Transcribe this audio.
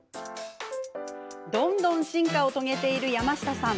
どんどん進化を遂げている山下さん。